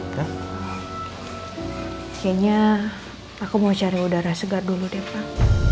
kayaknya aku mau cari udara segar dulu deh pak